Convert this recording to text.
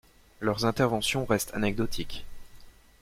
Leurs interventions restent anecdotiques.